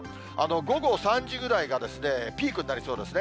午後３時ぐらいがですね、ピークになりそうですね。